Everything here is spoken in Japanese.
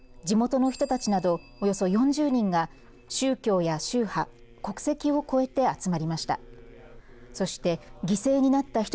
地元の人たちなどおよそ４０人が宗教や宗派国籍を越えて集まりました。